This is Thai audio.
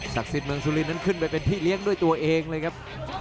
สิทธิ์เมืองสุรินนั้นขึ้นไปเป็นพี่เลี้ยงด้วยตัวเองเลยครับ